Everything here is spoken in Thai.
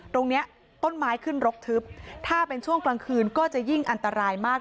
ตรงนี้ต้นไม้ขึ้นรกทึบถ้าเป็นช่วงกลางคืนก็จะยิ่งอันตรายมาก